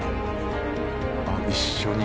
あっ一緒に。